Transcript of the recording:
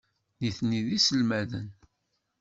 Nitni d iselmaden.